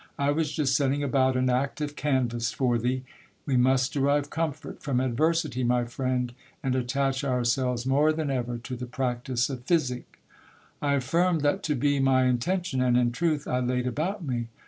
I was just setting about an active canvass for thee. We must derive comfort from adversity, my friend, and attach our selves more than ever to the practice of physic I affirmed that to be my intention ; and in truth I laid about me.